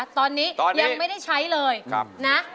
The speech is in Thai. ตอนนี้ยังไม่ได้ใช้เลยนะ